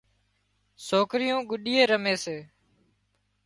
سوڪريون گڏيئي رمي سي